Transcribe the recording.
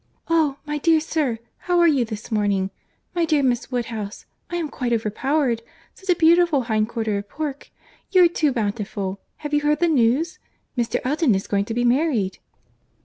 "Oh! my dear sir, how are you this morning? My dear Miss Woodhouse—I come quite over powered. Such a beautiful hind quarter of pork! You are too bountiful! Have you heard the news? Mr. Elton is going to be married."